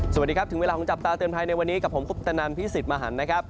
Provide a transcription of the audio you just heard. สวัสดีครับถึงเวลาของจับตาเตือนภัยในวันนี้กับผมคุปตนันพี่สิทธิ์มหันนะครับ